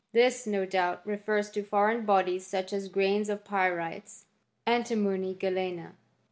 TTiis, no doubt, refers to foreign bodies, such as grains of pyrites, antimony, galena, ic, • Plibu £U«t.